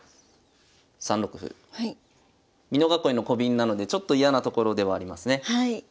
美濃囲いのコビンなのでちょっと嫌なところではありますね。